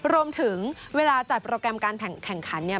รวมถึงเวลาจัดโปรแกรมการแข่งขัน